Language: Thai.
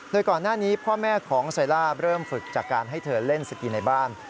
โดยก่อนหน้านี้พ่อแม่ของเซล่าเริ่มฝึกจากการให้เธอเล่นสกีในบ้าน